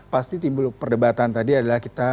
pasti timbul perdebatan tadi adalah kita